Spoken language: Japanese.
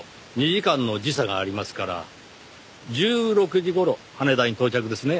２時間の時差がありますから１６時頃羽田に到着ですね。